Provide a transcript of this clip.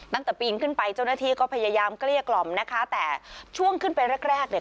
ตั้งแต่ปีนขึ้นไปเจ้าหน้าที่ก็พยายามเกลี้ยกล่อมนะคะแต่ช่วงขึ้นไปแรกแรกเนี่ย